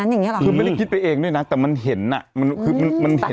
อย่างเงี้เหรอคือไม่ได้คิดไปเองด้วยนะแต่มันเห็นอ่ะมันคือมันมันเห็น